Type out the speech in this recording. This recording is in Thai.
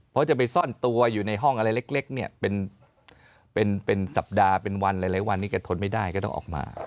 เพราะจะไปซ่อนตัวอยู่ในห้องอะไรเล็กเนี่ยเป็นสัปดาห์เป็นวันหลายวันนี้แกทนไม่ได้ก็ต้องออกมา